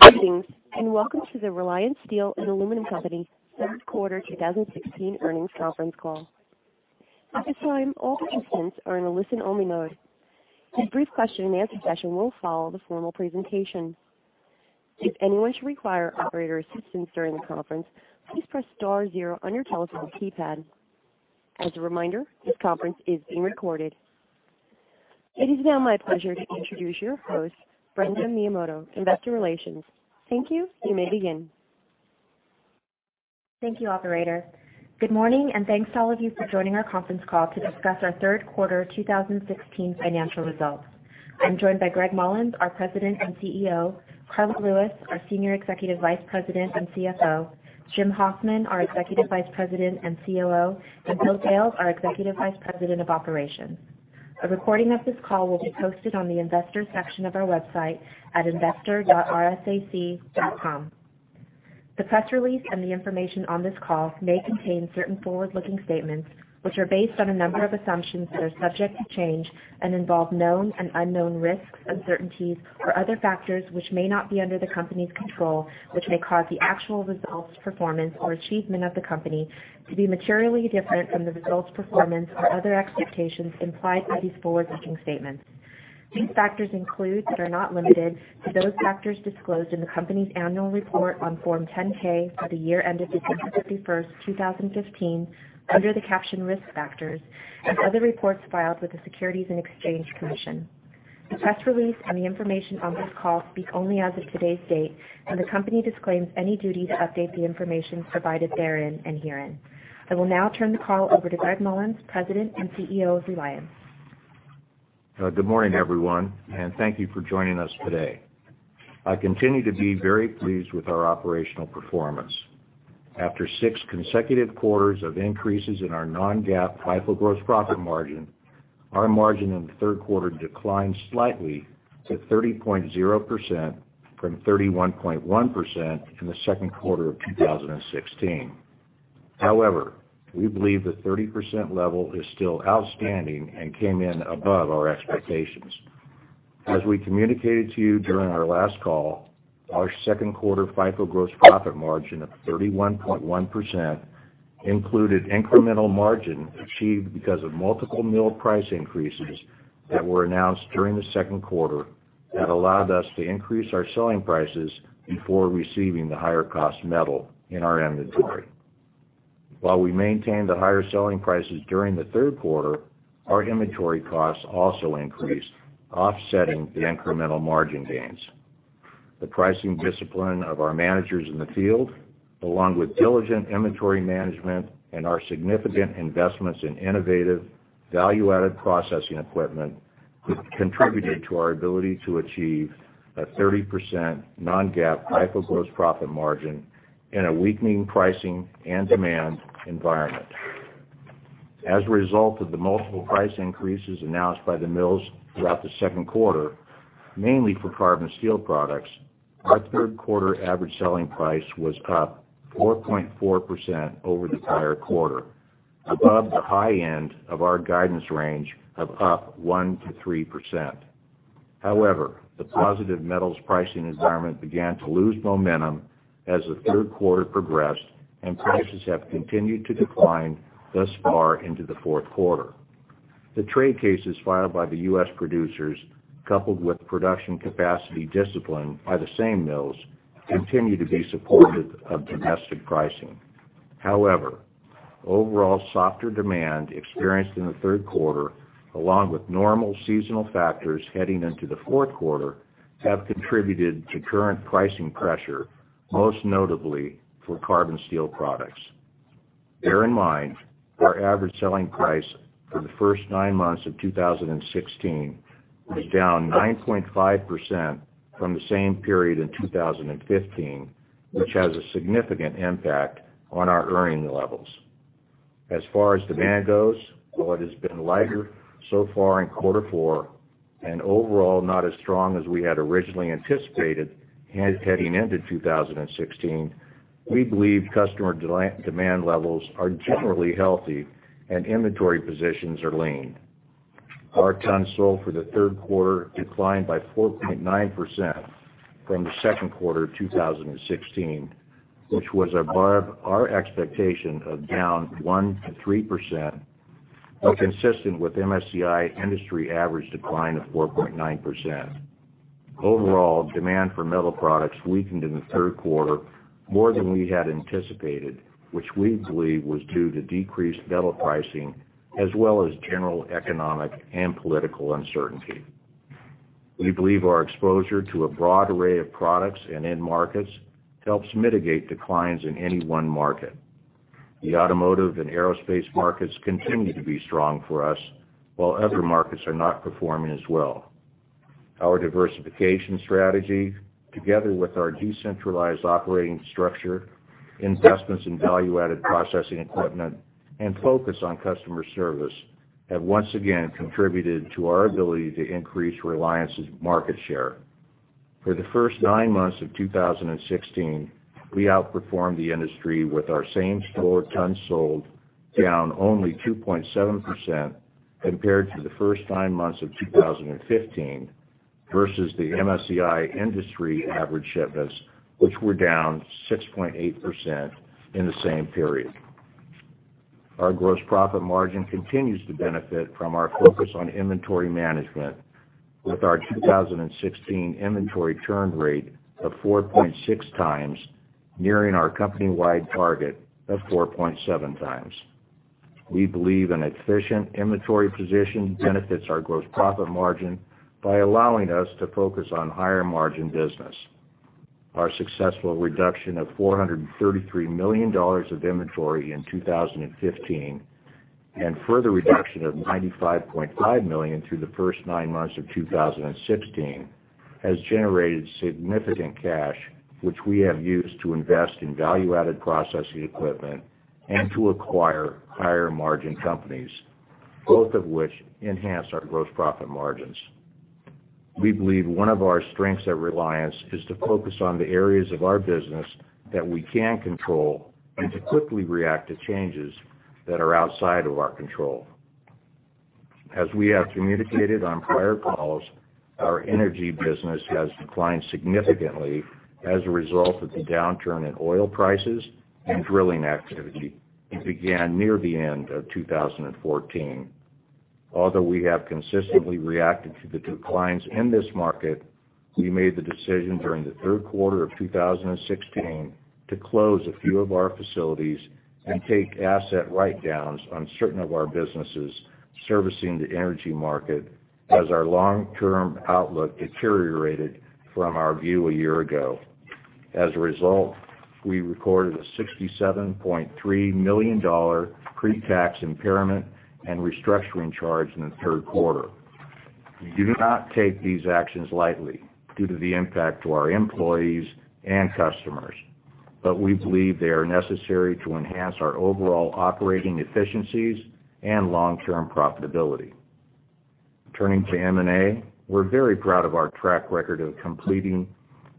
Greetings. Welcome to the Reliance Steel & Aluminum Co. third quarter 2016 earnings conference call. At this time, all participants are in a listen-only mode. A brief question-and-answer session will follow the formal presentation. If anyone should require operator assistance during the conference, please press star zero on your telephone keypad. As a reminder, this conference is being recorded. It is now my pleasure to introduce your host, Brenda Miyamoto, Investor Relations. Thank you. You may begin. Thank you, operator. Good morning. Thanks to all of you for joining our conference call to discuss our third quarter 2016 financial results. I'm joined by Gregg Mollins, our President and CEO, Karla Lewis, our Senior Executive Vice President and CFO, Jim Hoffman, our Executive Vice President and COO, and Bill Sales, our Executive Vice President of Operations. A recording of this call will be posted on the investors section of our website at investor.rsac.com. The press release and the information on this call may contain certain forward-looking statements, which are based on a number of assumptions that are subject to change and involve known and unknown risks, uncertainties, or other factors which may not be under the company's control, which may cause the actual results, performance, or achievement of the company to be materially different from the results, performance, or other expectations implied by these forward-looking statements. These factors include, are not limited to, those factors disclosed in the company's annual report on Form 10-K for the year ended December 31st, 2015, under the caption Risk Factors, and other reports filed with the Securities and Exchange Commission. The press release and the information on this call speak only as of today's date. The company disclaims any duty to update the information provided therein and herein. I will now turn the call over to Gregg Mollins, President and CEO of Reliance. Good morning, everyone. Thank you for joining us today. I continue to be very pleased with our operational performance. After six consecutive quarters of increases in our non-GAAP FIFO gross profit margin, our margin in the third quarter declined slightly to 30.0% from 31.1% in the second quarter of 2016. We believe the 30% level is still outstanding and came in above our expectations. As we communicated to you during our last call, our second quarter FIFO gross profit margin of 31.1% included incremental margin achieved because of multiple mill price increases that were announced during the second quarter that allowed us to increase our selling prices before receiving the higher-cost metal in our inventory. While we maintained the higher selling prices during the third quarter, our inventory costs also increased, offsetting the incremental margin gains. The pricing discipline of our managers in the field, along with diligent inventory management and our significant investments in innovative value-added processing equipment contributed to our ability to achieve a 30% non-GAAP FIFO gross profit margin in a weakening pricing and demand environment. As a result of the multiple price increases announced by the mills throughout the second quarter, mainly for carbon steel products, our third quarter average selling price was up 4.4% over the prior quarter, above the high end of our guidance range of up 1%-3%. However, the positive metals pricing environment began to lose momentum as the third quarter progressed and prices have continued to decline thus far into the fourth quarter. The trade cases filed by the U.S. producers, coupled with production capacity discipline by the same mills, continue to be supportive of domestic pricing. However, overall softer demand experienced in the third quarter, along with normal seasonal factors heading into the fourth quarter, have contributed to current pricing pressure, most notably for carbon steel products. Bear in mind, our average selling price for the first nine months of 2016 was down 9.5% from the same period in 2015, which has a significant impact on our earning levels. As far as demand goes, while it has been lighter so far in quarter four and overall not as strong as we had originally anticipated heading into 2016, we believe customer demand levels are generally healthy and inventory positions are lean. Our tons sold for the third quarter declined by 4.9% from the second quarter of 2016, which was above our expectation of down 1%-3%, but consistent with MSCI industry average decline of 4.9%. Overall, demand for metal products weakened in the third quarter more than we had anticipated, which we believe was due to decreased metal pricing as well as general economic and political uncertainty. We believe our exposure to a broad array of products and end markets helps mitigate declines in any one market. The automotive and aerospace markets continue to be strong for us, while other markets are not performing as well. Our diversification strategy, together with our decentralized operating structure, investments in value-added processing equipment, and focus on customer service, have once again contributed to our ability to increase Reliance's market share. For the first nine months of 2016, we outperformed the industry with our same-store tons sold down only 2.7% compared to the first nine months of 2015 versus the MSCI industry average shipments, which were down 6.8% in the same period. Our gross profit margin continues to benefit from our focus on inventory management with our 2016 inventory churn rate of 4.6 times, nearing our company-wide target of 4.7 times. We believe an efficient inventory position benefits our gross profit margin by allowing us to focus on higher margin business. Our successful reduction of $433 million of inventory in 2015, and further reduction of $95.5 million through the first nine months of 2016, has generated significant cash, which we have used to invest in value-added processing equipment and to acquire higher margin companies, both of which enhance our gross profit margins. We believe one of our strengths at Reliance is to focus on the areas of our business that we can control and to quickly react to changes that are outside of our control. As we have communicated on prior calls, our energy business has declined significantly as a result of the downturn in oil prices and drilling activity that began near the end of 2014. Although we have consistently reacted to the declines in this market, we made the decision during the third quarter of 2016 to close a few of our facilities and take asset write-downs on certain of our businesses servicing the energy market as our long-term outlook deteriorated from our view a year ago. As a result, we recorded a $67.3 million pre-tax impairment and restructuring charge in the third quarter. We do not take these actions lightly due to the impact to our employees and customers, but we believe they are necessary to enhance our overall operating efficiencies and long-term profitability. Turning to M&A, we're very proud of our track record of completing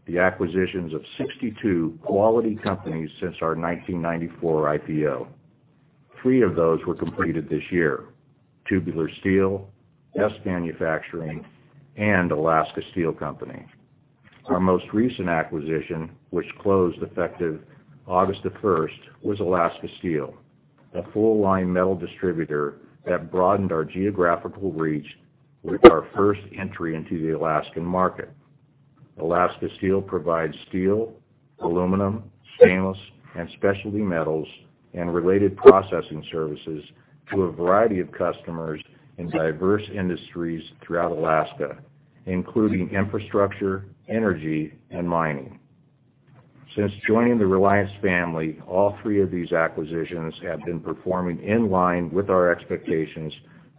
the acquisitions of 62 quality companies since our 1994 IPO. Three of those were completed this year: Tubular Steel, Best Manufacturing, and Alaska Steel Company. Our most recent acquisition, which closed effective August 1st, was Alaska Steel, a full line metal distributor that broadened our geographical reach with our first entry into the Alaskan market. Alaska Steel provides steel, aluminum, stainless, and specialty metals, and related processing services to a variety of customers in diverse industries throughout Alaska, including infrastructure, energy, and mining. Since joining the Reliance family, all three of these acquisitions have been performing in line with our expectations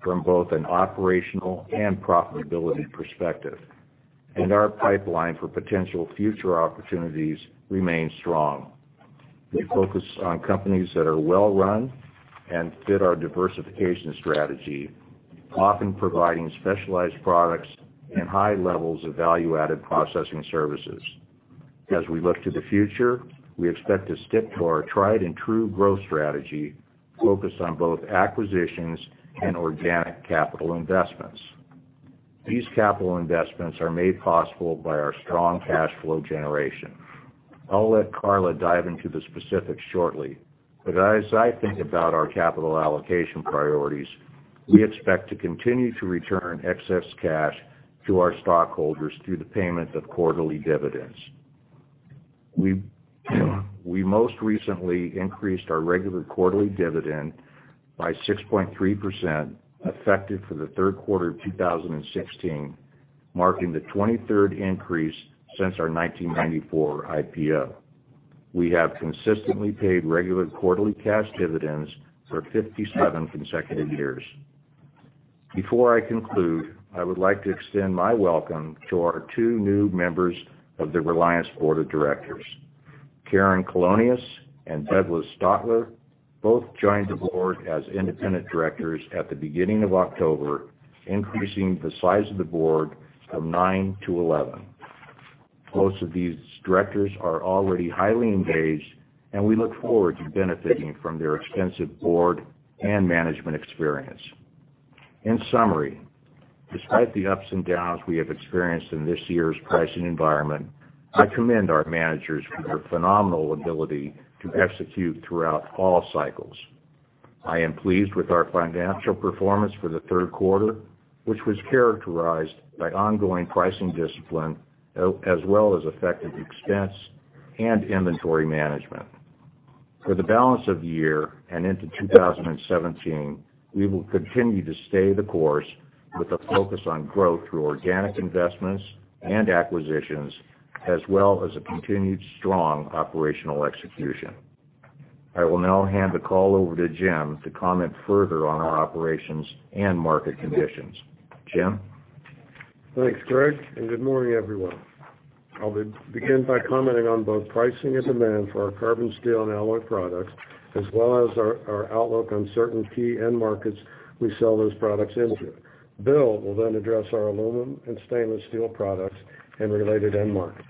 from both an operational and profitability perspective, and our pipeline for potential future opportunities remains strong. We focus on companies that are well-run and fit our diversification strategy, often providing specialized products and high levels of value-added processing services. As we look to the future, we expect to stick to our tried and true growth strategy focused on both acquisitions and organic capital investments. These capital investments are made possible by our strong cash flow generation. I'll let Karla dive into the specifics shortly, but as I think about our capital allocation priorities, we expect to continue to return excess cash to our stockholders through the payment of quarterly dividends. We most recently increased our regular quarterly dividend by 6.3%, effective for the third quarter of 2016, marking the 23rd increase since our 1994 IPO. We have consistently paid regular quarterly cash dividends for 57 consecutive years. Before I conclude, I would like to extend my welcome to our two new members of the Reliance Board of Directors. Karen Colonias and Douglas Stotlar both joined the board as independent directors at the beginning of October, increasing the size of the board from nine to 11. Both of these directors are already highly engaged, and we look forward to benefiting from their extensive board and management experience. In summary, despite the ups and downs we have experienced in this year's pricing environment, I commend our managers for their phenomenal ability to execute throughout all cycles. I am pleased with our financial performance for the third quarter, which was characterized by ongoing pricing discipline as well as effective expense and inventory management. For the balance of the year and into 2017, we will continue to stay the course with a focus on growth through organic investments and acquisitions, as well as a continued strong operational execution. I will now hand the call over to Jim to comment further on our operations and market conditions. Jim? Thanks, Gregg, good morning, everyone. I'll begin by commenting on both pricing and demand for our carbon steel and alloy products, as well as our outlook on certain key end markets we sell those products into. Bill will then address our aluminum and stainless steel products and related end markets.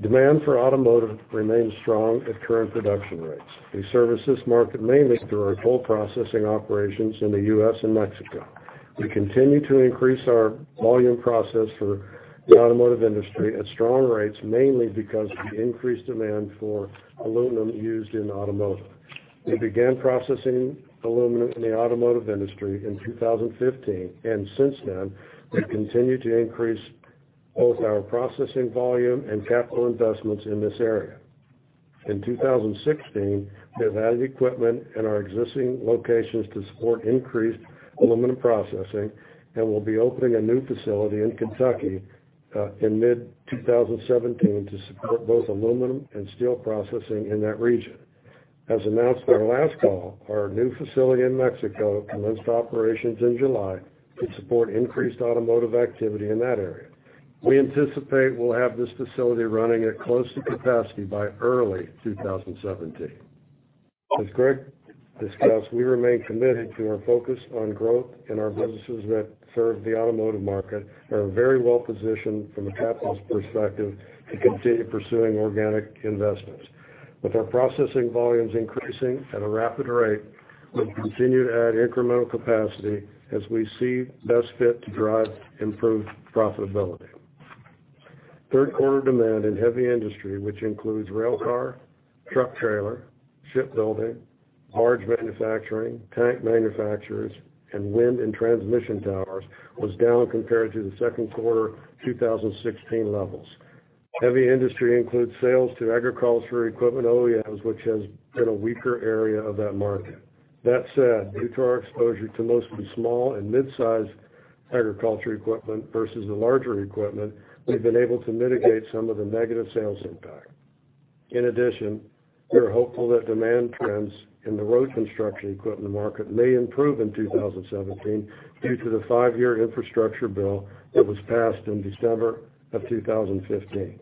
Demand for automotive remains strong at current production rates. We service this market mainly through our cold processing operations in the U.S. and Mexico. We continue to increase our volume process for the automotive industry at strong rates, mainly because of the increased demand for aluminum used in automotive. We began processing aluminum in the automotive industry in 2015, since then we've continued to increase both our processing volume and capital investments in this area. In 2016, we've added equipment in our existing locations to support increased aluminum processing, we'll be opening a new facility in Kentucky, in mid 2017 to support both aluminum and steel processing in that region. As announced on our last call, our new facility in Mexico commenced operations in July to support increased automotive activity in that area. We anticipate we'll have this facility running at close to capacity by early 2017. As Gregg discussed, we remain committed to our focus on growth, our businesses that serve the automotive market are very well positioned from a capital perspective to continue pursuing organic investments. With our processing volumes increasing at a rapid rate, we'll continue to add incremental capacity as we see best fit to drive improved profitability. Third quarter demand in heavy industry, which includes rail car, truck trailer, shipbuilding, barge manufacturing, tank manufacturers, and wind and transmission towers, was down compared to the second quarter 2016 levels. Heavy industry includes sales to agricultural equipment OEMs, which has been a weaker area of that market. That said, due to our exposure to mostly small and mid-size agriculture equipment versus the larger equipment, we've been able to mitigate some of the negative sales impact. In addition, we are hopeful that demand trends in the road construction equipment market may improve in 2017 due to the five-year infrastructure bill that was passed in December of 2015.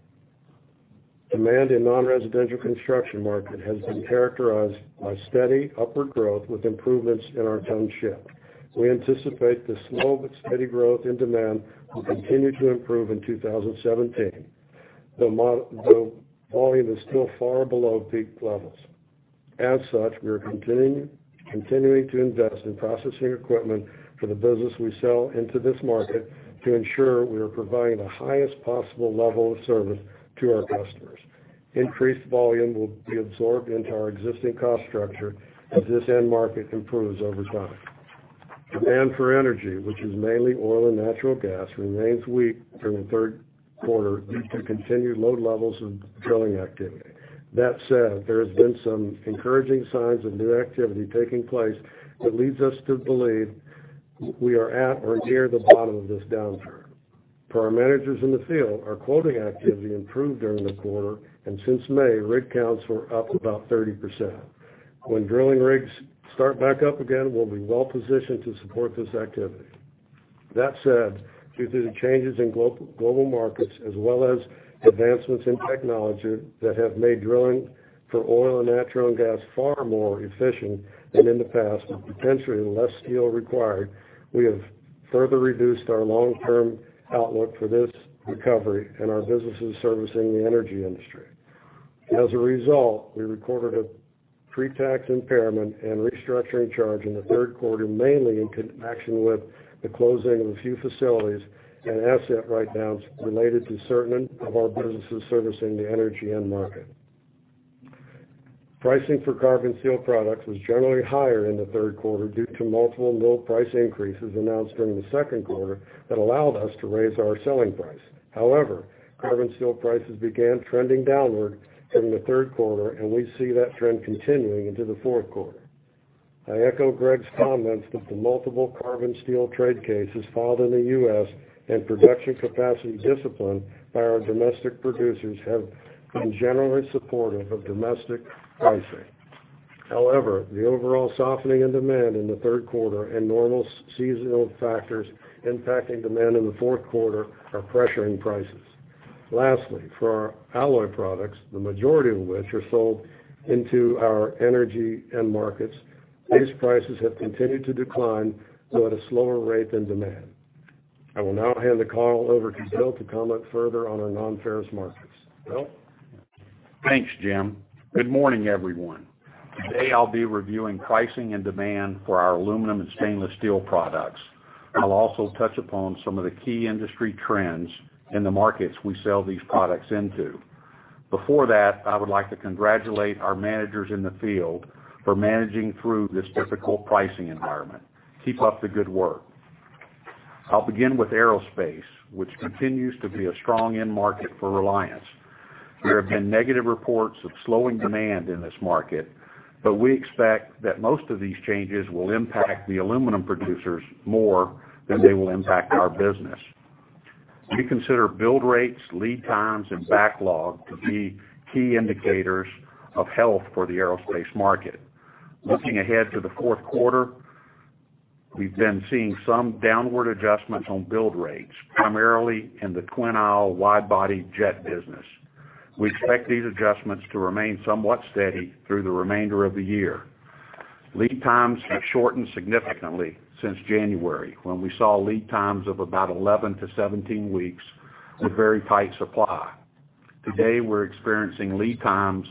Demand in non-residential construction market has been characterized by steady upward growth with improvements in our ton shipped. We anticipate the slow but steady growth in demand will continue to improve in 2017, though volume is still far below peak levels. As such, we are continuing to invest in processing equipment for the business we sell into this market to ensure we are providing the highest possible level of service to our customers. Increased volume will be absorbed into our existing cost structure as this end market improves over time. Demand for energy, which is mainly oil and natural gas, remains weak during the third quarter due to continued low levels of drilling activity. That said, there has been some encouraging signs of new activity taking place that leads us to believe we are at or near the bottom of this downturn. Per our managers in the field, our quoting activity improved during the quarter, and since May, rig counts were up about 30%. When drilling rigs start back up again, we'll be well positioned to support this activity. That said, due to the changes in global markets as well as advancements in technology that have made drilling for oil and natural gas far more efficient than in the past, with potentially less steel required, we have further reduced our long-term outlook for this recovery and our businesses servicing the energy industry. As a result, we recorded a pretax impairment and restructuring charge in the third quarter, mainly in connection with the closing of a few facilities and asset write-downs related to certain of our businesses servicing the energy end market. Pricing for carbon steel products was generally higher in the third quarter due to multiple low price increases announced during the second quarter that allowed us to raise our selling price. However, carbon steel prices began trending downward during the third quarter, and we see that trend continuing into the fourth quarter. I echo Gregg's comments that the multiple carbon steel trade cases filed in the U.S. and production capacity discipline by our domestic producers have been generally supportive of domestic pricing. However, the overall softening in demand in the third quarter and normal seasonal factors impacting demand in the fourth quarter are pressuring prices. Lastly, for our alloy products, the majority of which are sold into our energy end markets, these prices have continued to decline, though at a slower rate than demand. I will now hand the call over to Bill to comment further on our non-ferrous markets. Bill? Thanks, Jim. Good morning, everyone. Today, I'll be reviewing pricing and demand for our aluminum and stainless steel products. I'll also touch upon some of the key industry trends in the markets we sell these products into. Before that, I would like to congratulate our managers in the field for managing through this difficult pricing environment. Keep up the good work. I'll begin with aerospace, which continues to be a strong end market for Reliance. There have been negative reports of slowing demand in this market, but we expect that most of these changes will impact the aluminum producers more than they will impact our business. We consider build rates, lead times, and backlog to be key indicators of health for the aerospace market. Looking ahead to the fourth quarter, we've been seeing some downward adjustments on build rates, primarily in the twin-aisle wide-body jet business. We expect these adjustments to remain somewhat steady through the remainder of the year. Lead times have shortened significantly since January, when we saw lead times of about 11-17 weeks with very tight supply. Today, we're experiencing lead times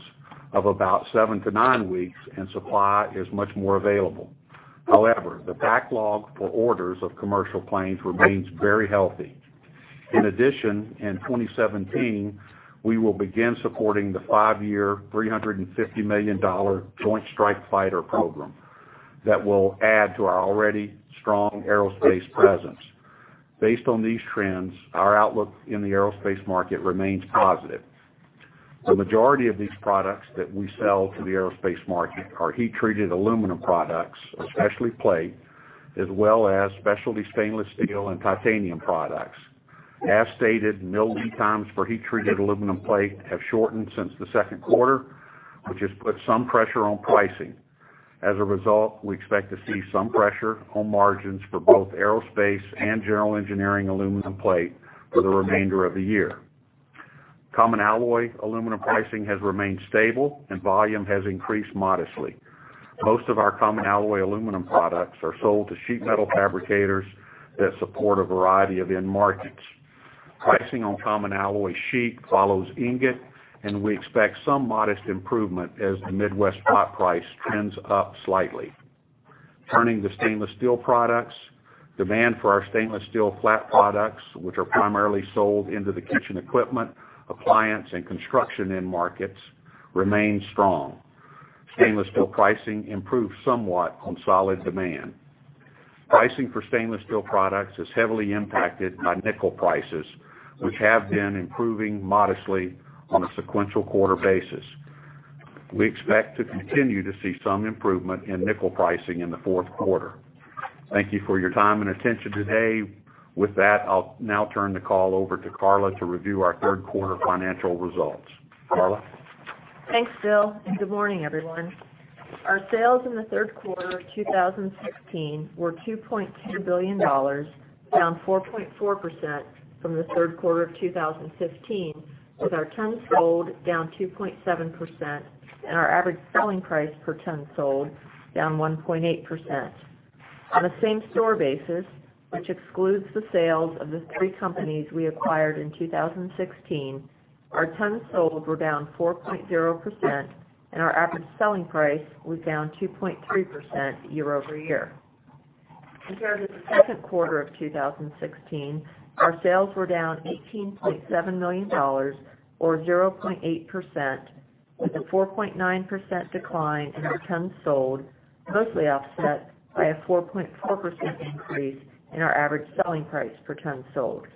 of about 7-9 weeks, and supply is much more available. However, the backlog for orders of commercial planes remains very healthy. In addition, in 2017, we will begin supporting the five-year, $350 million Joint Strike Fighter program. That will add to our already strong aerospace presence. Based on these trends, our outlook in the aerospace market remains positive. The majority of these products that we sell to the aerospace market are heat-treated aluminum products, especially plate, as well as specialty stainless steel and titanium products. As stated, mill lead times for heat-treated aluminum plate have shortened since the second quarter, which has put some pressure on pricing. As a result, we expect to see some pressure on margins for both aerospace and general engineering aluminum plate for the remainder of the year. Common alloy aluminum pricing has remained stable, and volume has increased modestly. Most of our common alloy aluminum products are sold to sheet metal fabricators that support a variety of end markets. Pricing on common alloy sheet follows ingot, and we expect some modest improvement as the Midwest hot price trends up slightly. Turning to stainless steel products, demand for our stainless steel flat products, which are primarily sold into the kitchen equipment, appliance, and construction end markets, remain strong. Stainless steel pricing improved somewhat on solid demand. Pricing for stainless steel products is heavily impacted by nickel prices, which have been improving modestly on a sequential quarter basis. We expect to continue to see some improvement in nickel pricing in the fourth quarter. Thank you for your time and attention today. With that, I'll now turn the call over to Karla to review our third quarter financial results. Karla? Thanks, Bill, and good morning, everyone. Our sales in the third quarter of 2016 were $2.2 billion, down 4.4% from the third quarter of 2015, with our tons sold down 2.7% and our average selling price per ton sold down 1.8%. On a same-store basis, which excludes the sales of the three companies we acquired in 2016, our tons sold were down 4.0%, and our average selling price was down 2.3% year-over-year. Compared to the second quarter of 2016, our sales were down $18.7 million or 0.8%, with a 4.9% decline in tons sold, mostly offset by a 4.4% increase in our average selling price per ton sold.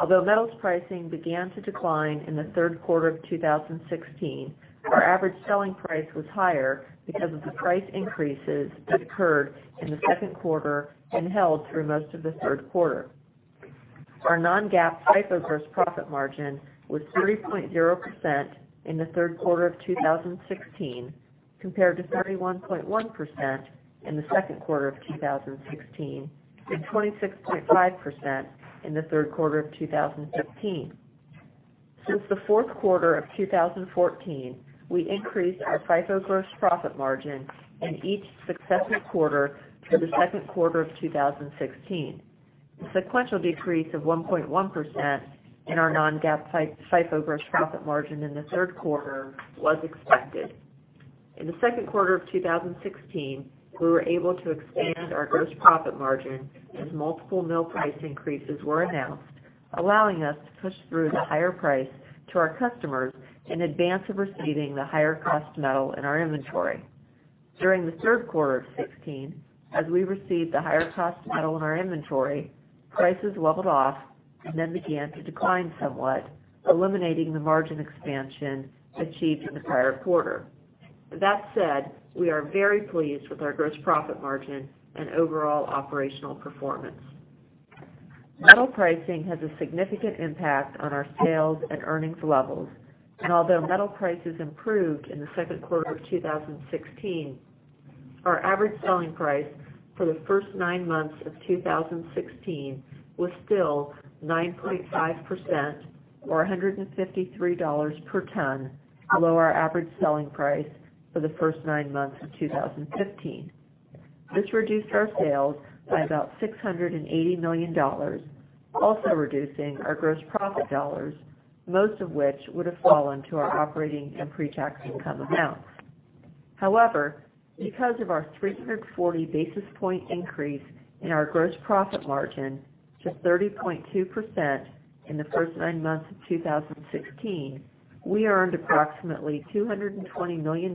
Although metals pricing began to decline in the third quarter of 2016, our average selling price was higher because of the price increases that occurred in the second quarter and held through most of the third quarter. Our non-GAAP FIFO gross profit margin was 30.0% in the third quarter of 2016, compared to 31.1% in the second quarter of 2016 and 26.5% in the third quarter of 2015. Since the fourth quarter of 2014, we increased our FIFO gross profit margin in each successive quarter through the second quarter of 2016. The sequential decrease of 1.1% in our non-GAAP FIFO gross profit margin in the third quarter was expected. In the second quarter of 2016, we were able to expand our gross profit margin as multiple mill price increases were announced, allowing us to push through the higher price to our customers in advance of receiving the higher-cost metal in our inventory. During the third quarter of 2016, as we received the higher-cost metal in our inventory, prices leveled off and then began to decline somewhat, eliminating the margin expansion achieved in the prior quarter. With that said, we are very pleased with our gross profit margin and overall operational performance. Although metal prices improved in the second quarter of 2016, our average selling price for the first nine months of 2016 was still 9.5%, or $153 per ton below our average selling price for the first nine months of 2015. This reduced our sales by about $680 million, also reducing our gross profit dollars, most of which would have fallen to our operating and pre-tax income amounts. Because of our 340-basis-point increase in our gross profit margin to 30.2% in the first nine months of 2016, we earned approximately $220 million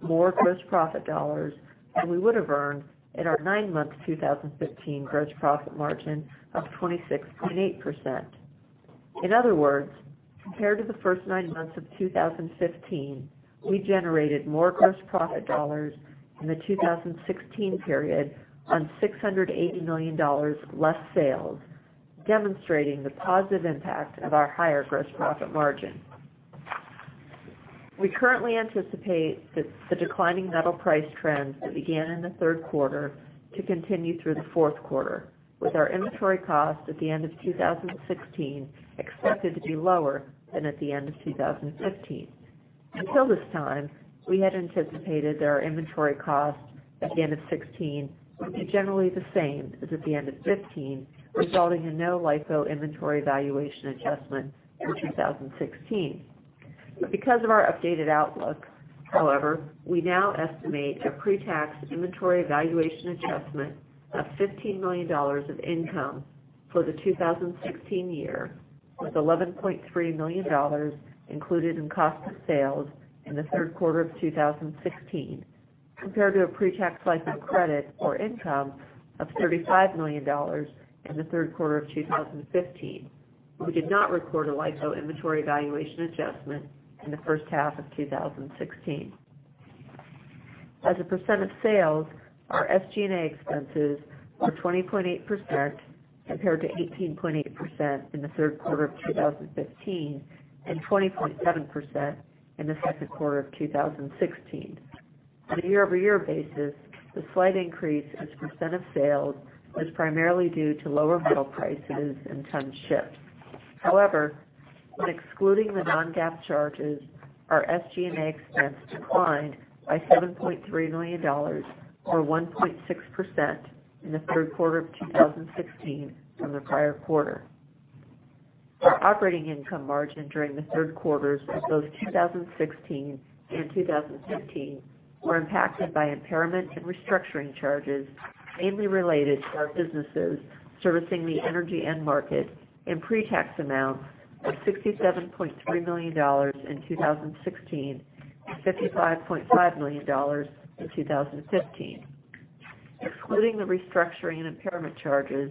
more gross profit dollars than we would have earned at our nine-month 2015 gross profit margin of 26.8%. In other words, compared to the first nine months of 2015, we generated more gross profit dollars in the 2016 period on $680 million less sales, demonstrating the positive impact of our higher gross profit margin. We currently anticipate that the declining metal price trends that began in the third quarter to continue through the fourth quarter, with our inventory cost at the end of 2016 expected to be lower than at the end of 2015. Until this time, we had anticipated that our inventory cost at the end of 2016 would be generally the same as at the end of 2015, resulting in no LIFO inventory valuation adjustment for 2016. Because of our updated outlook, we now estimate a pre-tax inventory valuation adjustment of $15 million of income for the 2016 year, with $11.3 million included in cost of sales in the third quarter of 2016, compared to a pre-tax LIFO credit for income of $35 million in the third quarter of 2015. We did not record a LIFO inventory valuation adjustment in the first half of 2016. As a percent of sales, our SG&A expenses were 20.8%, compared to 18.8% in the third quarter of 2015, and 20.7% in the second quarter of 2016. On a year-over-year basis, the slight increase as a percent of sales was primarily due to lower metal prices and tons shipped. When excluding the non-GAAP charges, our SG&A expense declined by $7.3 million, or 1.6% in the third quarter of 2016 from the prior quarter. Our operating income margin during the third quarters of both 2016 and 2015 were impacted by impairment and restructuring charges, mainly related to our businesses servicing the energy end market in pre-tax amounts of $67.3 million in 2016 and $55.5 million in 2015. Excluding the restructuring and impairment charges,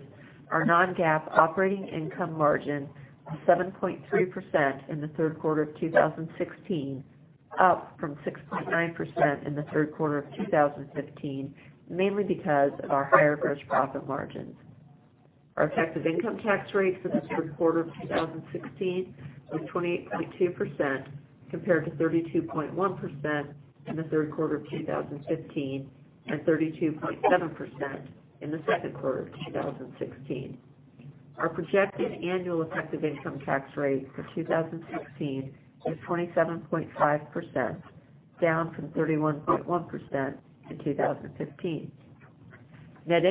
our non-GAAP operating income margin was 7.3% in the third quarter of 2016, up from 6.9% in the third quarter of 2015, mainly because of our higher gross profit margins. Our effective income tax rate for the third quarter of 2016 was 28.2%, compared to 32.1% in the third quarter of 2015, and 32.7% in the second quarter of 2016. Our projected annual effective income tax rate for 2016 was 27.5%, down from 31.1% in 2015. Net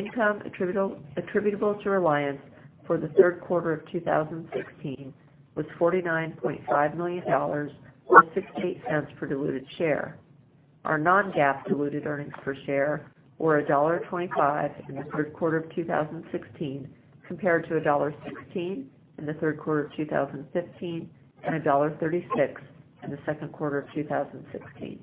income attributable to Reliance for the third quarter of 2016 was $49.5 million, or $0.68 per diluted share. Our non-GAAP diluted earnings per share were $1.25 in the third quarter of 2016, compared to $1.16 in the third quarter of 2015, and $1.36 in the second quarter of 2016.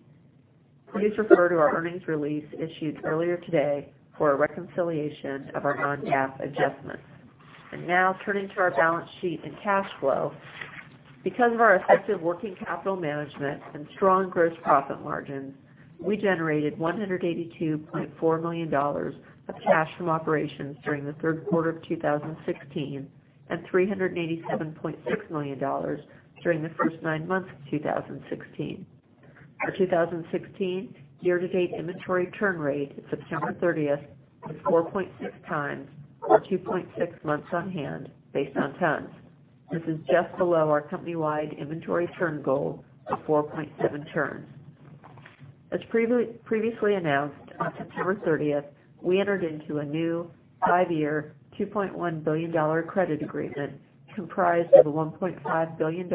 Please refer to our earnings release issued earlier today for a reconciliation of our non-GAAP adjustments. Now turning to our balance sheet and cash flow. Because of our effective working capital management and strong gross profit margins, we generated $182.4 million of cash from operations during the third quarter of 2016, and $387.6 million during the first nine months of 2016. Our 2016 year-to-date inventory turn rate at September 30th was 4.6 times, or 2.6 months on hand based on tons. This is just below our company-wide inventory turn goal of 4.7 turns. As previously announced, on September 30th, we entered into a new five-year, $2.1 billion credit agreement comprised of a $1.5 billion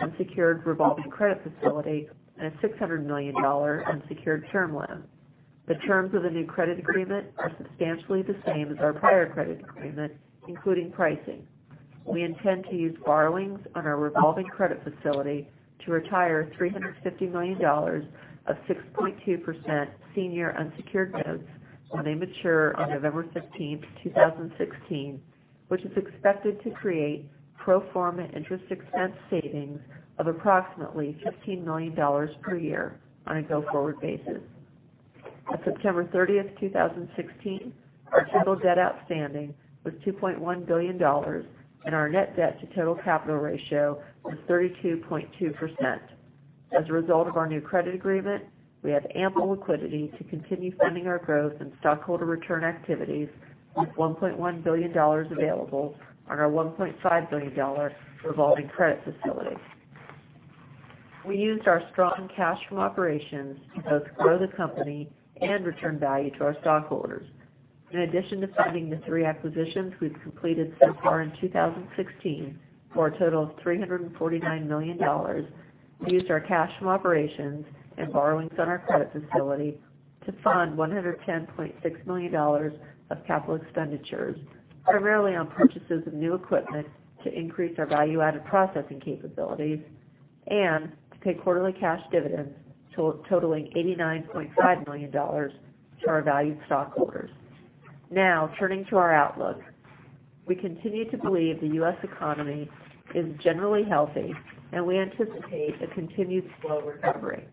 unsecured revolving credit facility and a $600 million unsecured term loan. The terms of the new credit agreement are substantially the same as our prior credit agreement, including pricing. We intend to use borrowings on our revolving credit facility to retire $350 million of 6.2% senior unsecured notes when they mature on November 15th, 2016, which is expected to create pro forma interest expense savings of approximately $15 million per year on a go-forward basis. At September 30th, 2016, our total debt outstanding was $2.1 billion, and our net debt to total capital ratio was 32.2%. As a result of our new credit agreement, we have ample liquidity to continue funding our growth and stockholder return activities with $1.1 billion available on our $1.5 billion revolving credit facility. We used our strong cash from operations to both grow the company and return value to our stockholders. In addition to funding the three acquisitions we've completed so far in 2016 for a total of $349 million, we used our cash from operations and borrowings on our credit facility to fund $110.6 million of capital expenditures, primarily on purchases of new equipment to increase our value-added processing capabilities and to pay quarterly cash dividends totaling $89.5 million to our valued stockholders. Now, turning to our outlook. We continue to believe the U.S. economy is generally healthy, and we anticipate a continued slow recovery.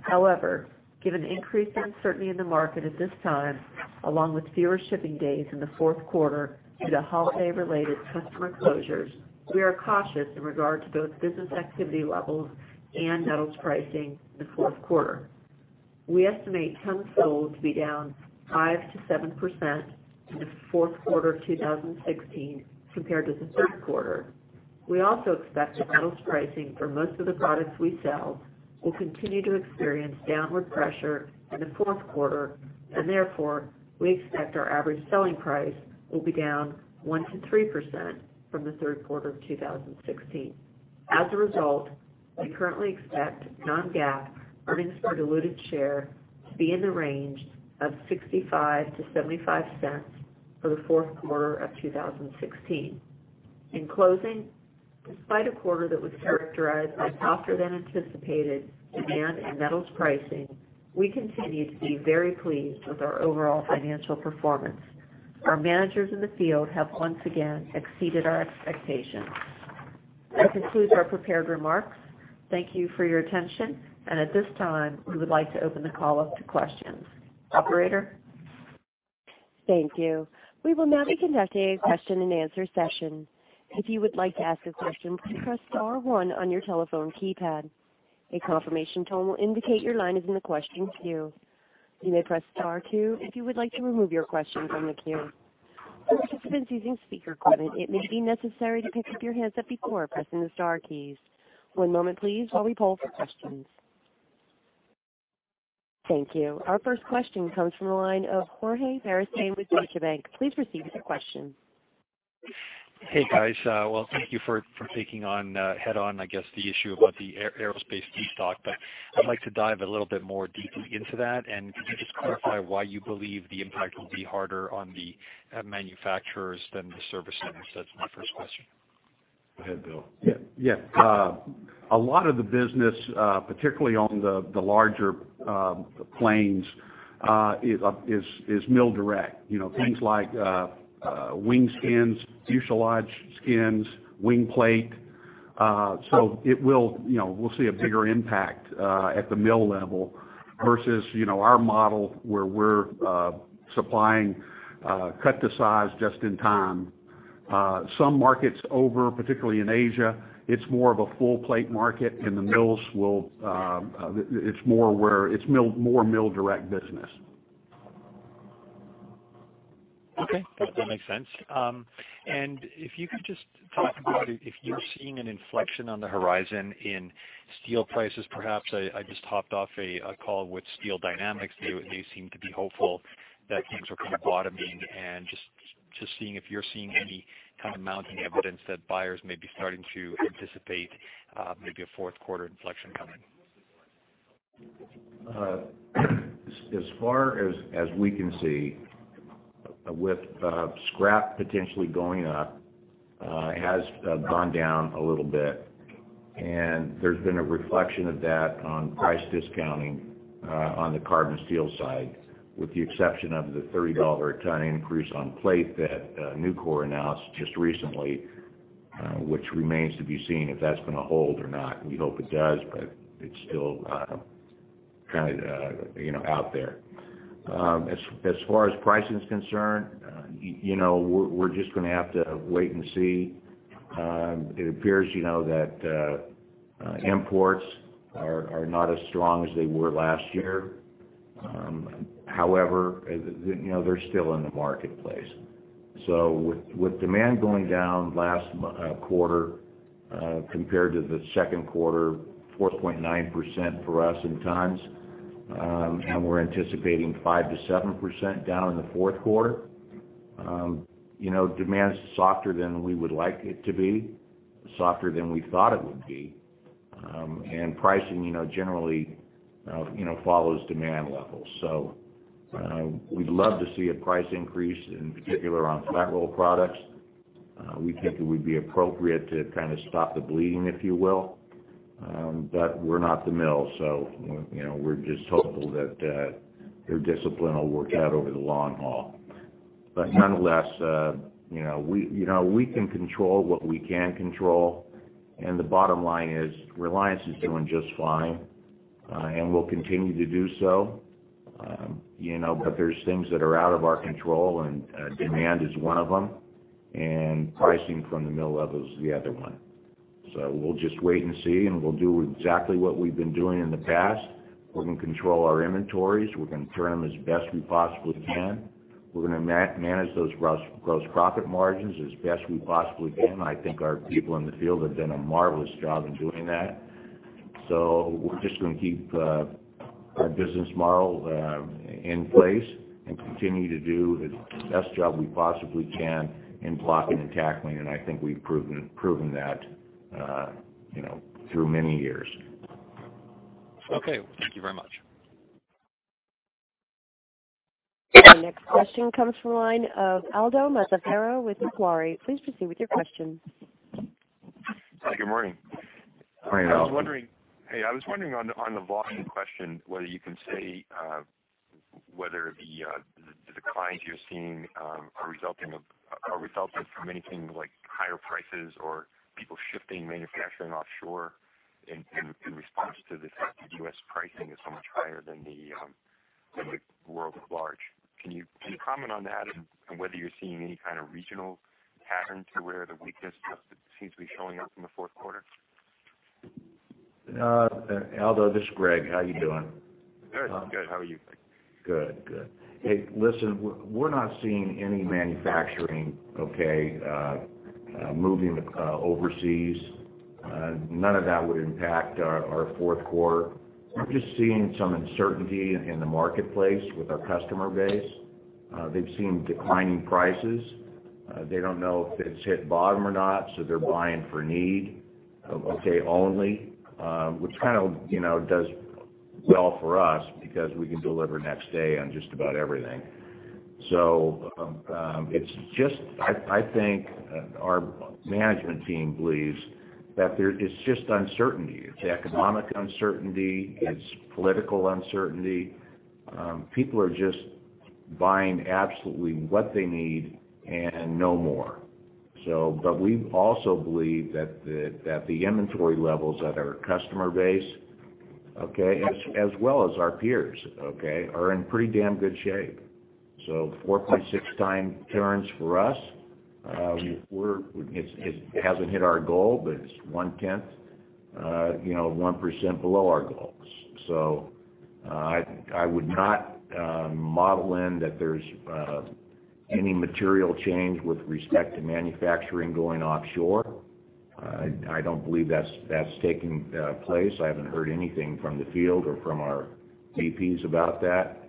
However, given increased uncertainty in the market at this time, along with fewer shipping days in the fourth quarter due to holiday-related customer closures, we are cautious in regard to both business activity levels and metals pricing in the fourth quarter. We estimate tons sold to be down 5%-7% in the fourth quarter 2016 compared to the third quarter. We also expect the metals pricing for most of the products we sell will continue to experience downward pressure in the fourth quarter, and therefore, we expect our average selling price will be down 1%-3% from the third quarter of 2016. As a result, we currently expect non-GAAP earnings per diluted share to be in the range of $0.65-$0.75 for the fourth quarter of 2016. In closing, despite a quarter that was characterized by softer than anticipated demand and metals pricing, we continue to be very pleased with our overall financial performance. Our managers in the field have once again exceeded our expectations. That concludes our prepared remarks. Thank you for your attention. At this time, we would like to open the call up to questions. Operator? Thank you. We will now be conducting a question and answer session. If you would like to ask a question, please press star one on your telephone keypad. A confirmation tone will indicate your line is in the questions queue. You may press star two if you would like to remove your question from the queue. For participants using speaker equipment, it may be necessary to pick up your handset before pressing the star keys. One moment please while we poll for questions. Thank you. Our first question comes from the line of Jorge Beristain with BMO Capital Markets. Please proceed with your question. Hey, guys. Well, thank you for taking head-on, I guess, the issue about the aerospace destock. I'd like to dive a little bit more deeply into that. Could you just clarify why you believe the impact will be harder on the manufacturers than the service centers? That's my first question. Go ahead, Bill. Yeah. A lot of the business, particularly on the larger planes, is mill direct. Things like wing skins, fuselage skins, wing plate. We'll see a bigger impact, at the mill level versus our model where we're supplying cut to size just in time. Some markets over, particularly in Asia, it's more of a full plate market, and it's more mill direct business. Okay. That makes sense. If you could just talk about if you're seeing an inflection on the horizon in steel prices, perhaps. I just hopped off a call with Steel Dynamics. They seem to be hopeful that things are kind of bottoming and just seeing if you're seeing any kind of mounting evidence that buyers may be starting to anticipate, maybe a fourth quarter inflection coming. As far as we can see, with scrap potentially going up, has gone down a little bit, and there's been a reflection of that on price discounting on the carbon steel side, with the exception of the $30 a ton increase on plate that Nucor announced just recently, which remains to be seen if that's going to hold or not. We hope it does, but it's still kind of out there. As far as pricing is concerned, we're just going to have to wait and see. It appears that imports are not as strong as they were last year. However, they're still in the marketplace. With demand going down last quarter, compared to the second quarter, 4.9% for us in tons, and we're anticipating 5%-7% down in the fourth quarter. Demand is softer than we would like it to be, softer than we thought it would be. Pricing generally follows demand levels. We'd love to see a price increase, in particular on flat roll products. We think it would be appropriate to kind of stop the bleeding, if you will. We're not the mill, so we're just hopeful that their discipline will work out over the long haul. Nonetheless, we can control what we can control, and the bottom line is Reliance is doing just fine, and will continue to do so. There's things that are out of our control, and demand is one of them, and pricing from the mill level is the other one. We'll just wait and see, and we'll do exactly what we've been doing in the past. We're going to control our inventories. We're going to turn them as best we possibly can. We're going to manage those gross profit margins as best we possibly can. I think our people in the field have done a marvelous job in doing that. We're just going to keep our business model in place and continue to do the best job we possibly can in blocking and tackling, and I think we've proven that through many years. Okay. Thank you very much. Our next question comes from the line of Aldo Mazzaferro with Macquarie. Please proceed with your question. Hi, good morning. Morning, Aldo. Hey, I was wondering on the volume question, whether you can say whether the declines you're seeing are resulting from anything like higher prices or people shifting manufacturing offshore in response to the fact that U.S. pricing is so much higher than the world at large. Can you comment on that and whether you're seeing any kind of regional pattern to where the weakness seems to be showing up in the fourth quarter? Aldo, this is Gregg. How are you doing? Very good. How are you, Gregg? Good. Hey, listen, we're not seeing any manufacturing moving overseas. None of that would impact our fourth quarter. We're just seeing some uncertainty in the marketplace with our customer base. They've seen declining prices. They don't know if it's hit bottom or not, so they're buying for need only, which kind of does well for us because we can deliver next day on just about everything. I think our management team believes that it's just uncertainty. It's economic uncertainty. It's political uncertainty. People are just buying absolutely what they need and no more. We also believe that the inventory levels at our customer base, as well as our peers, are in pretty damn good shape. 4.6 times turns for us. It hasn't hit our goal, but it's 1/10, 1% below our goals. I would not model in that there's any material change with respect to manufacturing going offshore. I don't believe that's taking place. I haven't heard anything from the field or from our VPs about that.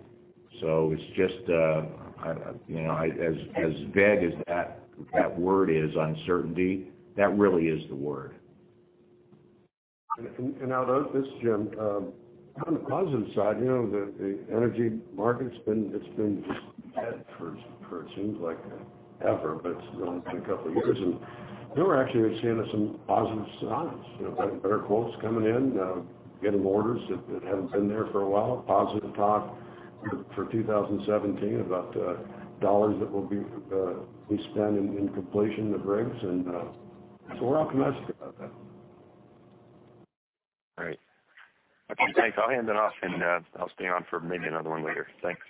As vague as that word is, uncertainty, that really is the word. Aldo, this is Jim. On the positive side, the energy market it's been just dead for it seems like ever, but it's only been a couple of years. We're actually seeing some positive signs. We're getting better quotes coming in, getting orders that haven't been there for a while. Positive talk for 2017 about dollars that will be spent in completion of rigs, we're optimistic about that. All right. Okay, thanks. I'll hand it off and I'll stay on for maybe another one later. Thanks.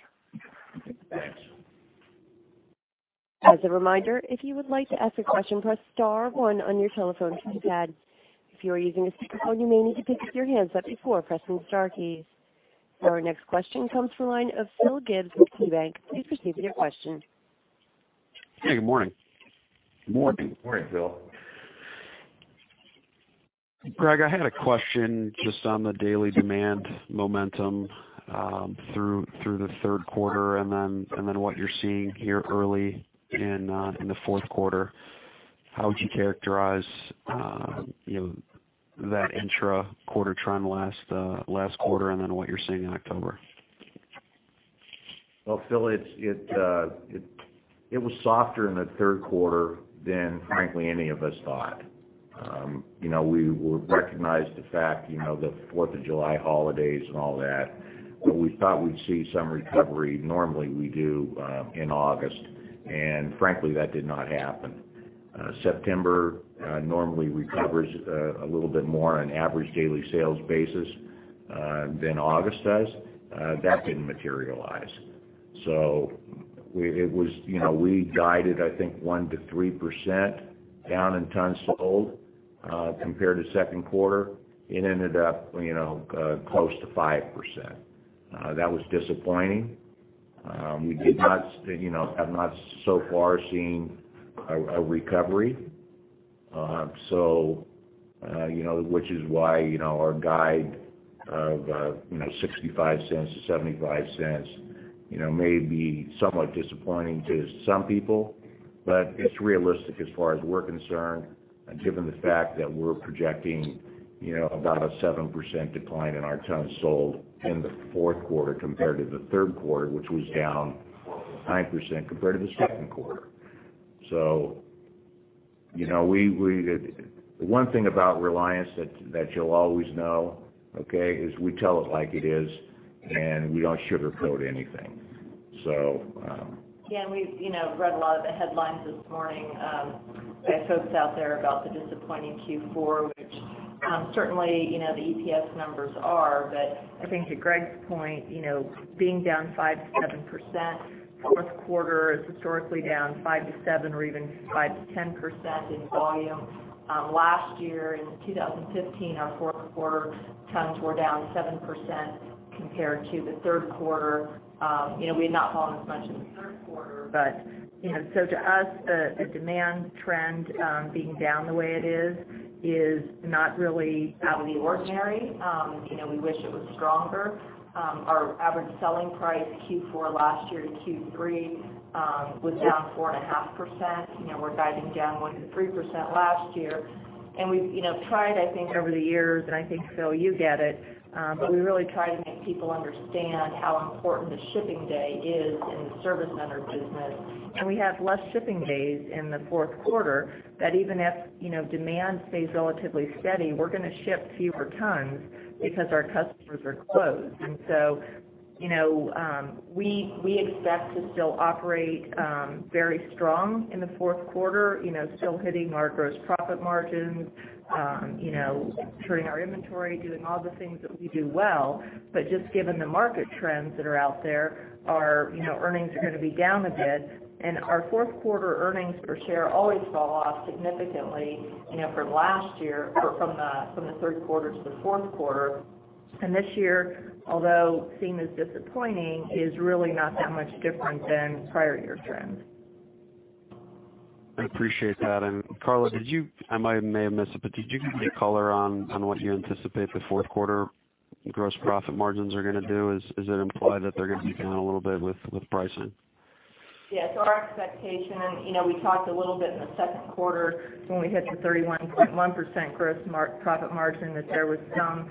Thanks. As a reminder, if you would like to ask a question, press star one on your telephone keypad. If you are using a speakerphone, you may need to pick up your handset before pressing star keys. Our next question comes from the line of Phil Gibbs with KeyBanc. Please proceed with your question. Hey, good morning. Good morning. Morning, Phil. Gregg, I had a question just on the daily demand momentum through the third quarter, and then what you're seeing here early in the fourth quarter. How would you characterize that intra-quarter trend last quarter, and then what you're seeing in October? Well, Phil, it was softer in the third quarter than frankly any of us thought. We recognized the fact, the Fourth of July holidays and all that, but we thought we'd see some recovery. Normally we do in August, and frankly, that did not happen. September normally recovers a little bit more on average daily sales basis than August does. That didn't materialize. We guided, I think, 1%-3% down in tons sold compared to second quarter. It ended up close to 5%. That was disappointing. We have not so far seen a recovery, which is why our guide of $0.65-$0.75 may be somewhat disappointing to some people, but it's realistic as far as we're concerned, given the fact that we're projecting about a 7% decline in our tons sold in the fourth quarter compared to the third quarter, which was down 9% compared to the second quarter. The one thing about Reliance that you'll always know, okay, is we tell it like it is, and we don't sugarcoat anything. We've read a lot of the headlines this morning by folks out there about the disappointing Q4, which certainly, the EPS numbers are. I think to Gregg's point, being down 5%-7%, fourth quarter is historically down 5%-7%, or even 5%-10% in volume. Last year, in 2015, our fourth quarter tons were down 7% compared to the third quarter. We had not fallen as much in the third quarter. To us, a demand trend being down the way it is is not really out of the ordinary. We wish it was stronger. Our average selling price Q4 last year to Q3 was down 4.5%. We're guiding down 1%-3% last year. We've tried, I think, over the years, and I think, Phil, you get it, but we really try to make people understand how important the shipping day is in the service center business. We have less shipping days in the fourth quarter that even if demand stays relatively steady, we're going to ship fewer tons because our customers are closed. We expect to still operate very strong in the fourth quarter, still hitting our gross profit margins, turning our inventory, doing all the things that we do well. Just given the market trends that are out there, our earnings are going to be down a bit, and our fourth quarter earnings per share always fall off significantly from the third quarter to the fourth quarter. This year, although seen as disappointing, is really not that much different than prior year trends. I appreciate that. Karla, I may have missed it, but did you give any color on what you anticipate the fourth quarter gross profit margins are going to do? Does it imply that they're going to be down a little bit with pricing? Yes, our expectation, we talked a little bit in the second quarter when we hit the 31.1% gross profit margin, that there was some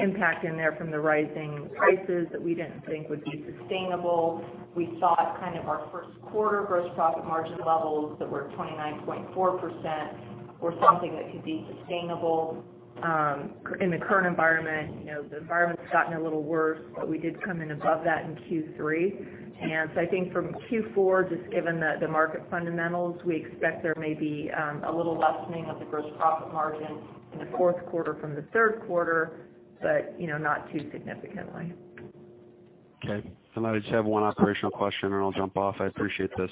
impact in there from the rising prices that we didn't think would be sustainable. We thought kind of our first quarter gross profit margin levels that were 29.4% were something that could be sustainable in the current environment. The environment's gotten a little worse, but we did come in above that in Q3. I think from Q4, just given the market fundamentals, we expect there may be a little lessening of the gross profit margin in the fourth quarter from the third quarter, but not too significantly. Okay. I just have one operational question. I'll jump off. I appreciate this.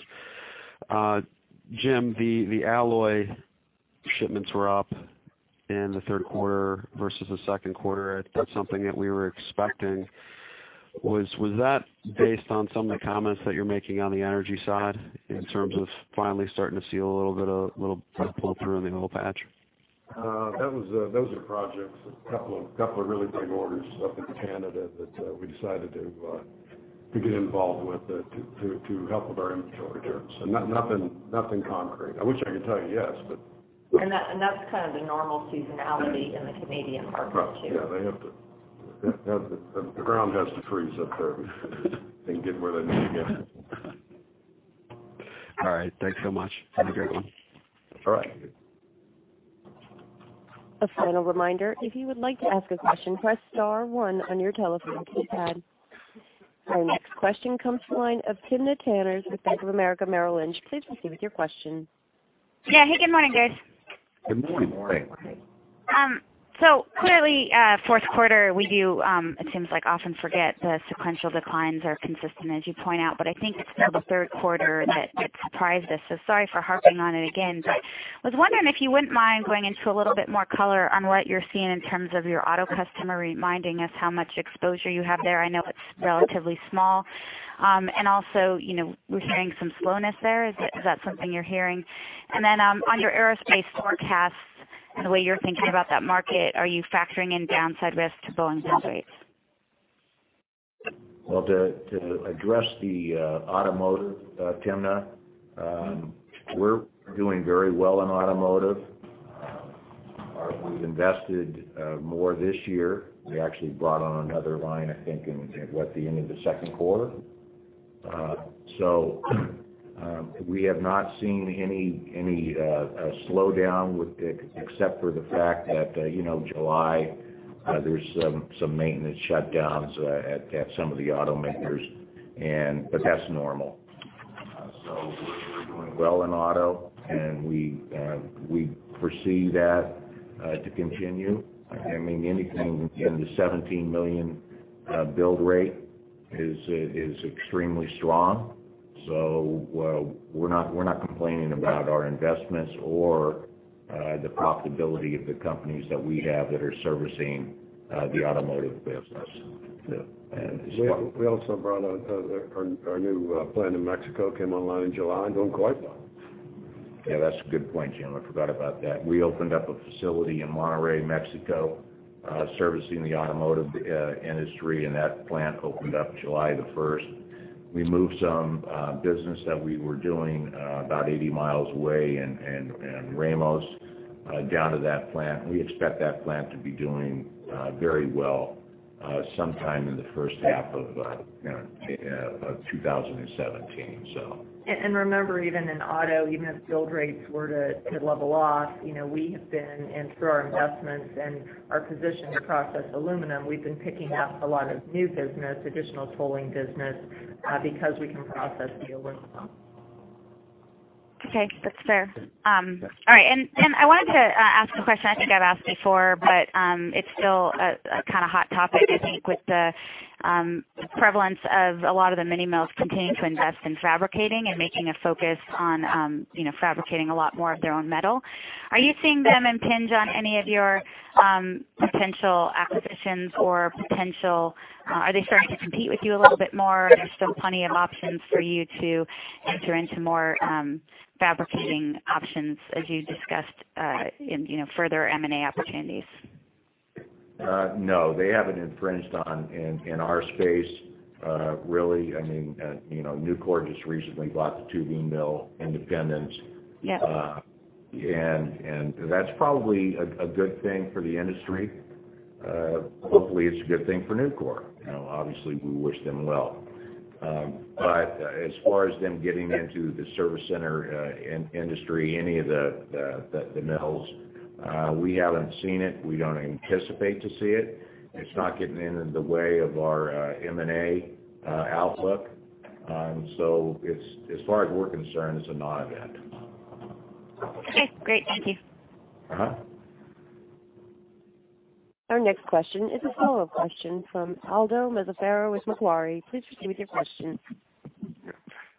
Jim, the alloy shipments were up in the third quarter versus the second quarter. That's something that we were expecting. Was that based on some of the comments that you're making on the energy side in terms of finally starting to see a little pull through in the whole batch? Those are projects, two of really big orders up in Canada that we decided to get involved with to help with our inventory turns. Nothing concrete. I wish I could tell you yes, but- That's kind of the normal seasonality in the Canadian market, too. Right. Yeah, the ground has to freeze up there and get where they need to get. All right, thanks so much. Have a great one. All right. A final reminder, if you would like to ask a question, press star one on your telephone keypad. Our next question comes from the line of Timna Tanners with Bank of America, Merrill Lynch. Please proceed with your question. Yeah. Hey, good morning, guys. Good morning. Good morning. Clearly, fourth quarter, we do, it seems like often forget the sequential declines are consistent as you point out, but I think it's still the third quarter that surprised us. Sorry for harping on it again, but I was wondering if you wouldn't mind going into a little bit more color on what you're seeing in terms of your auto customer, reminding us how much exposure you have there. I know it's relatively small. We're hearing some slowness there. Is that something you're hearing? On your aerospace forecasts and the way you're thinking about that market, are you factoring in downside risk to Boeing build rates? Well, to address the automotive, Timna, we're doing very well in automotive. We've invested more this year. We actually brought on another line, I think in, what? The end of the second quarter. We have not seen any slowdown except for the fact that July, there's some maintenance shutdowns at some of the automakers. That's normal. We're doing well in auto, and we foresee that to continue. Anything in the 17 million build rate is extremely strong. We're not complaining about our investments or the profitability of the companies that we have that are servicing the automotive business. We also brought our new plant in Mexico, came online in July and doing quite well. Yeah, that's a good point, Jim. I forgot about that. We opened up a facility in Monterrey, Mexico servicing the automotive industry, and that plant opened up July the 1st. We moved some business that we were doing about 80 miles away in Ramos down to that plant. We expect that plant to be doing very well sometime in the first half of 2017, so. Remember, even in auto, even if build rates were to level off, we have been, and through our investments and our position to process aluminum, we've been picking up a lot of new business, additional tolling business, because we can process the aluminum. Okay. That's fair. All right. I wanted to ask a question I think I've asked before, but it's still a kind of hot topic, I think, with the prevalence of a lot of the mini mills continuing to invest in fabricating and making a focus on fabricating a lot more of their own metal. Are you seeing them impinge on any of your potential acquisitions, or are they starting to compete with you a little bit more? Are there still plenty of options for you to enter into more fabricating options as you discussed in further M&A opportunities? No, they haven't infringed on in our space. Really, Nucor just recently bought the tubing mill, Independence. Yep. That's probably a good thing for the industry. Hopefully, it's a good thing for Nucor. Obviously, we wish them well. As far as them getting into the service center industry, any of the mills, we haven't seen it. We don't anticipate to see it. It's not getting in the way of our M&A outlook. As far as we're concerned, it's a non-event. Okay, great. Thank you. Our next question is a follow-up question from Aldo Mazzaferro with Macquarie. Please proceed with your question.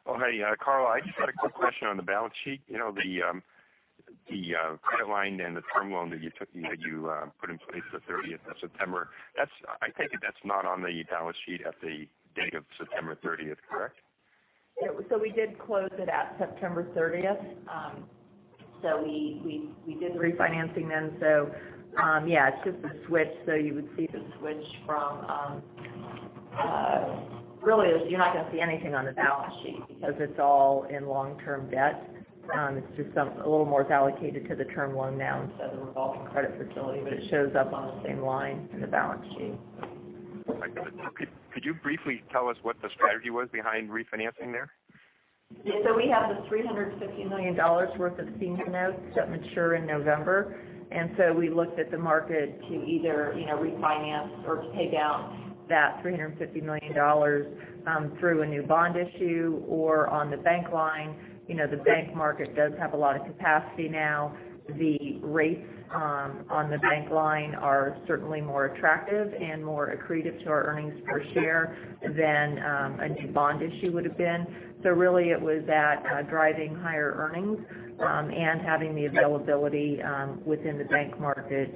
Hey, Karla, I just had a quick question on the balance sheet. The credit line and the term loan that you put in place the 30th of September, I take it that's not on the balance sheet at the date of September 30th, correct? We did close it at September 30th. We did the refinancing then. You would see the switch from Really, you're not going to see anything on the balance sheet because it's all in long-term debt. It's just a little more allocated to the term loan now instead of the revolving credit facility. It shows up on the same line in the balance sheet. I got it. Could you briefly tell us what the strategy was behind refinancing there? Yeah. We have the $350 million worth of senior notes that mature in November. We looked at the market to either refinance or pay down that $350 million through a new bond issue or on the bank line. The bank market does have a lot of capacity now. The rates on the bank line are certainly more attractive and more accretive to our earnings per share than a new bond issue would've been. Really it was that, driving higher earnings, and having the availability within the bank market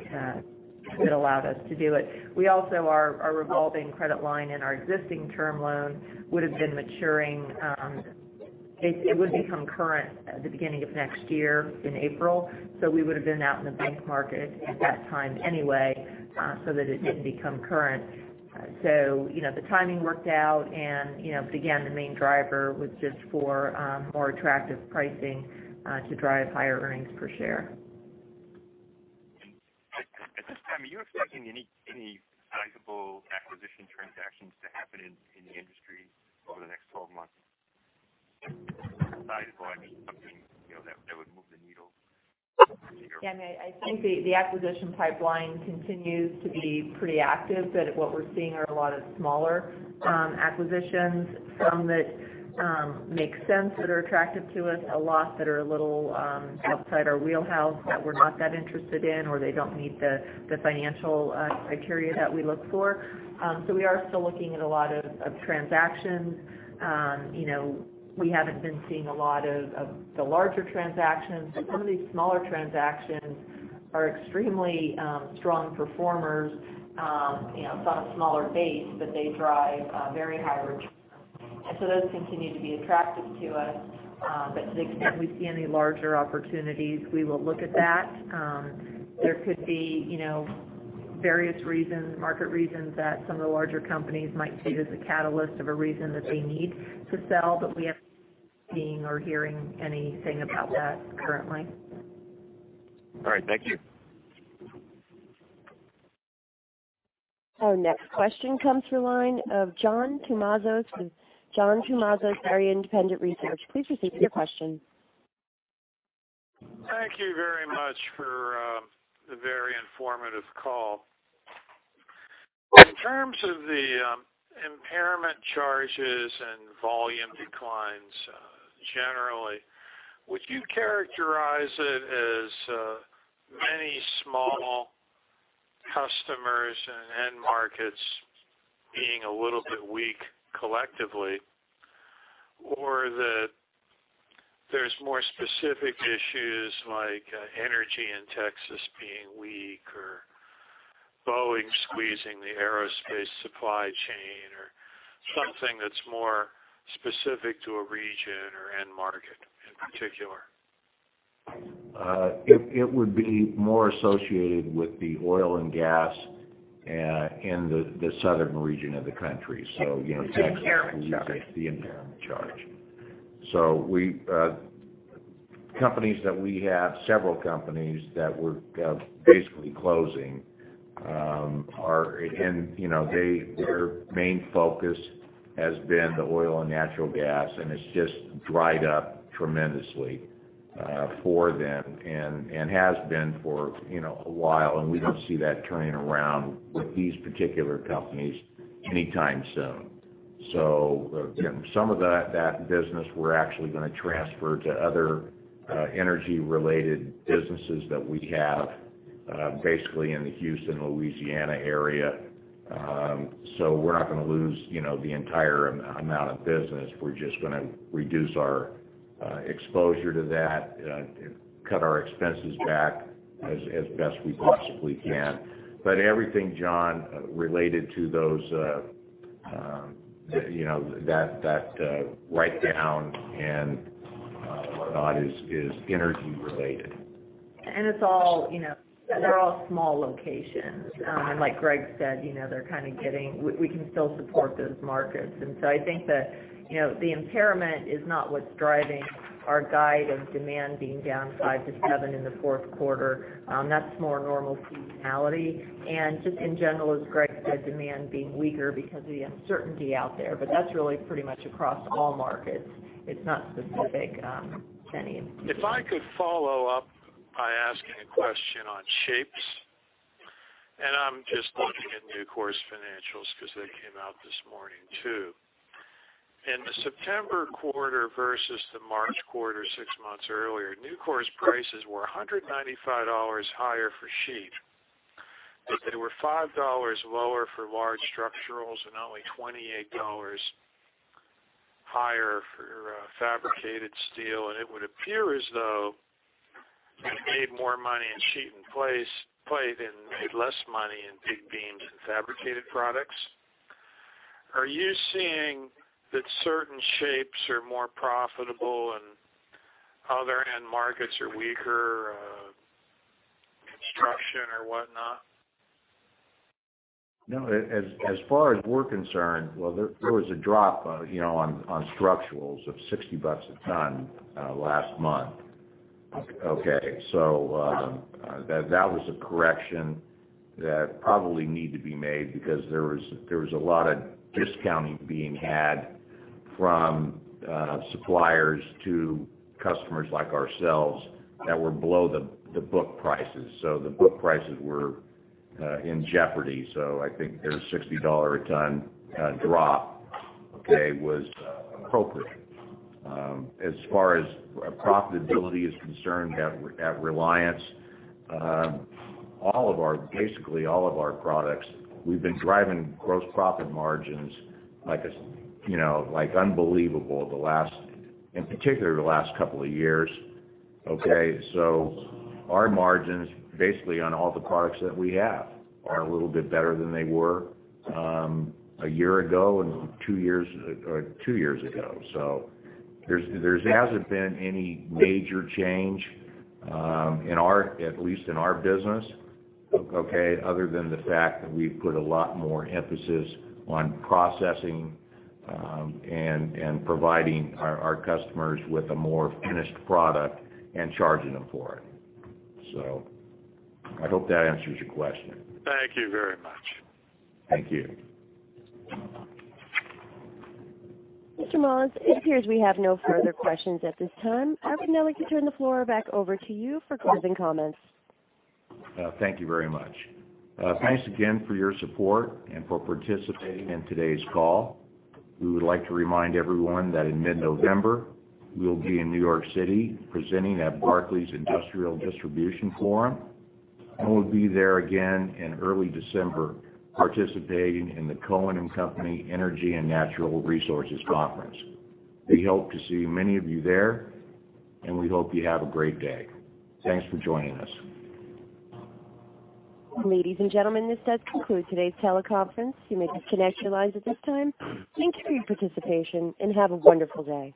that allowed us to do it. We also, our revolving credit line and our existing term loan would have been maturing. It would become current at the beginning of next year in April. We would've been out in the bank market at that time anyway, so that it didn't become current. The timing worked out, and again, the main driver was just for more attractive pricing to drive higher earnings per share. At this time, are you expecting any sizable acquisition transactions to happen in the industry over the next 12 months? By sizable, I mean something that would move the needle. Yeah, I think the acquisition pipeline continues to be pretty active, but what we're seeing are a lot of smaller acquisitions. Some that make sense, that are attractive to us, a lot that are a little outside our wheelhouse that we're not that interested in, or they don't meet the financial criteria that we look for. We are still looking at a lot of transactions. We haven't been seeing a lot of the larger transactions, but some of these smaller transactions are extremely strong performers. It's on a smaller base, but they drive very high returns. Those continue to be attractive to us. To the extent we see any larger opportunities, we will look at that. There could be various reasons, market reasons, that some of the larger companies might see it as a catalyst of a reason that they need to sell, but we haven't been seeing or hearing anything about that currently. All right. Thank you. Our next question comes from the line of John Tumazos with John Tumazos Very Independent Research. Please proceed with your question. Thank you very much for the very informative call. In terms of the impairment charges and volume declines generally, would you characterize it as many small customers and end markets being a little bit weak collectively? Or that there's more specific issues like energy in Texas being weak or Boeing squeezing the aerospace supply chain or something that's more specific to a region or end market in particular? It would be more associated with the oil and gas in the southern region of the country. Yeah. The impairment charge. The impairment charge. Companies that we have, several companies that we're basically closing. Their main focus has been the oil and natural gas, and it's just dried up tremendously for them and has been for a while, and we don't see that turning around with these particular companies anytime soon. Some of that business we're actually going to transfer to other energy-related businesses that we have, basically in the Houston, Louisiana area. We're not going to lose the entire amount of business. We're just going to reduce our exposure to that, cut our expenses back as best we possibly can. Everything, John, related to that write-down and whatnot is energy related. They're all small locations. Like Gregg said, we can still support those markets. I think that the impairment is not what's driving our guide of demand being down 5%-7% in the fourth quarter. That's more normal seasonality. Just in general, as Gregg said, demand being weaker because of the uncertainty out there. That's really pretty much across all markets. It's not specific to any. If I could follow up by asking a question on shapes. I'm just looking at Nucor's financials because they came out this morning, too. In the September quarter versus the March quarter 6 months earlier, Nucor's prices were $195 higher for sheet, they were $5 lower for large structurals and only $28 higher for fabricated steel. It would appear as though they made more money in sheet and plate and made less money in big beams and fabricated products. Are you seeing that certain shapes are more profitable and other end markets are weaker, construction or whatnot? No. As far as we're concerned, well, there was a drop on structurals of $60 a ton last month. Okay. Okay. That was a correction that probably needed to be made because there was a lot of discounting being had from suppliers to customers like ourselves that were below the book prices. The book prices were in jeopardy. I think their $60 a ton drop was appropriate. As far as profitability is concerned at Reliance, basically all of our products, we've been driving gross profit margins like unbelievable, in particular the last couple of years. Okay? Our margins basically on all the products that we have are a little bit better than they were a year ago and two years ago. There hasn't been any major change, at least in our business, okay, other than the fact that we've put a lot more emphasis on processing and providing our customers with a more finished product and charging them for it. I hope that answers your question. Thank you very much. Thank you. Mr. Mollins, it appears we have no further questions at this time. I would now like to turn the floor back over to you for closing comments. Thank you very much. Thanks again for your support and for participating in today's call. We would like to remind everyone that in mid-November, we will be in New York City presenting at Barclays Industrial Select Conference, and we'll be there again in early December participating in the Cowen & Company Energy & Natural Resources Conference. We hope to see many of you there, and we hope you have a great day. Thanks for joining us. Ladies and gentlemen, this does conclude today's teleconference. You may disconnect your lines at this time. Thank you for your participation, and have a wonderful day.